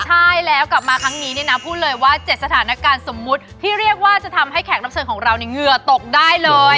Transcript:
ใช่แล้วกลับมาครั้งนี้เนี่ยนะพูดเลยว่า๗สถานการณ์สมมุติที่เรียกว่าจะทำให้แขกรับเชิญของเราเนี่ยเหงื่อตกได้เลย